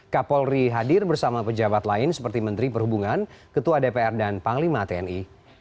kapolri hadir bersama pejabat lain seperti menteri perhubungan ketua dpr dan panglima tni